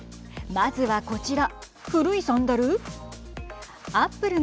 まずはこちら、古いサンダル。